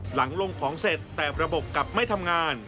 หลังลงของเสร็จแต่ระบบกลับไม่ทำงาน